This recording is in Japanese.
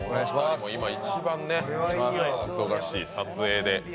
今一番忙しい、撮影で。